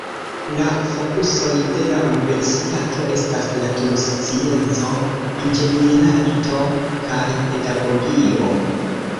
La fokusoj de la universitato estas naturscienco, inĝenierarto kaj pedagogio.